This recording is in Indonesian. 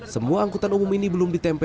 semua angkutan umum ini belum ditempe